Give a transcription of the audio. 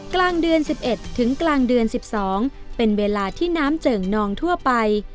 กลางเดือน๑๑ถึงกลางเดือน๑๒เป็นเวลาที่น้ำเจิ่งนองทั่วไป